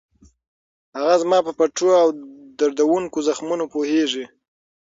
هغه زما په پټو او دردوونکو زخمونو پوهېږي.